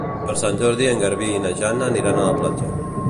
Per Sant Jordi en Garbí i na Jana aniran a la platja.